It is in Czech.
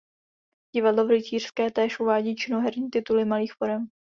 Divadlo v Rytířské též uvádí činoherní tituly malých forem.